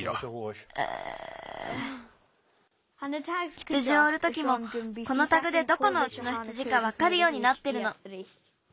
羊をうるときもこのタグでどこのうちの羊かわかるようになってるの。